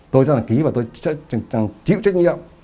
tôi sẽ ký và tôi sẽ chịu trách nhiệm